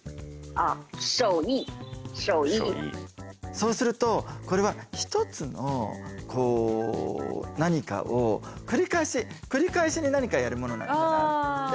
そうするとこれは一つのこう何かを繰り返し繰り返しに何かやるものなのかなって。